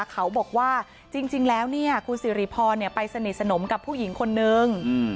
เขาบอกว่าจริงแล้วคุณสิริพรไปสนิทสนมกับผู้หญิงคนนึง